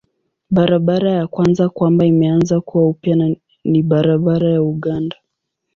Barabara ya kwanza kwamba imeanza kuwa upya ni barabara ya Uganda.